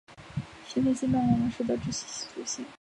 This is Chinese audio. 现在西班牙王室的直系祖先。